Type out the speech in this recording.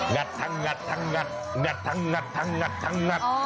งัดทั้งทั้งงัดทั้ง